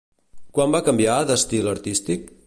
Quan va canviar d'estil artístic?